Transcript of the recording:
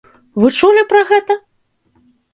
Вы чулі пра гэта?